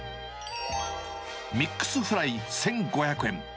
ミックスフライ１５００円。